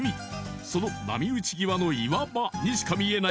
その波打ち際の岩場にしか見えない